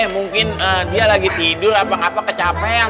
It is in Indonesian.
mungkin dia lagi tidur apa apa kecapean